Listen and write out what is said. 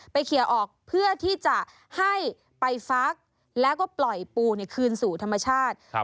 เคลียร์ออกเพื่อที่จะให้ไปฟักแล้วก็ปล่อยปูคืนสู่ธรรมชาติ